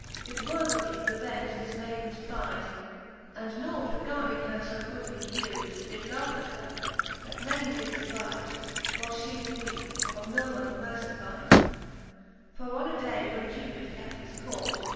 Did worthily revenge this maydens pride ; And nought regarding her fo goodly hew. Did laugh at her, that many did deride, Whileft Ihe did weepe, of no man mercifide. For on a day, when Cupid kept his court.